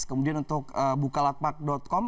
kemudian untuk bukalapak com